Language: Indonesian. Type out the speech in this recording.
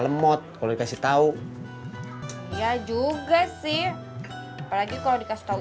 lemot kalau dikasih tahu ya juga sih apalagi kalau dikasih tahu